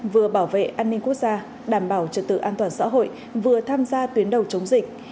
vừa bảo vệ an ninh quốc gia đảm bảo trật tự an toàn xã hội vừa tham gia tuyến đầu chống dịch